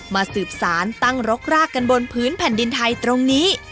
สืบสารตั้งรกรากกันบนพื้นแผ่นดินไทยตรงนี้